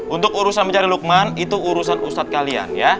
untuk urusan mencari luqman itu urusan ustaz kalian ya